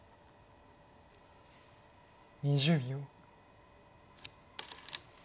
２０秒。